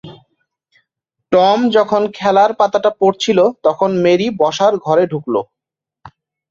Tom যখন খেলার পাতাটা পড়ছিল তখন মেরি বসার ঘরে ঢুকল।